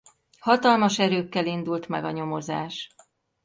Hatalmas erőkkel indult meg a nyomozás.